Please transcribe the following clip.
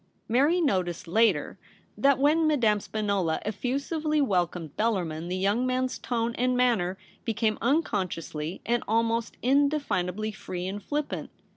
Mary noticed later that when Madame Spinola effusively welcomed Bellarmin the young man's tone and manner became unconsciously and almost indefinably free and flippant.